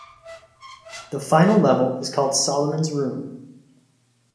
The final level is called Solomon's room.